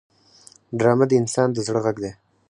ډرامه د انسان د زړه غږ دی